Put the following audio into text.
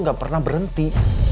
dia gak pernah berhenti